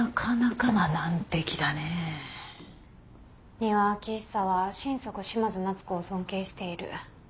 丹羽昭久は心底嶋津奈都子を尊敬している。